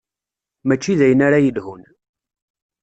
Mačči d ayen ara yelhun.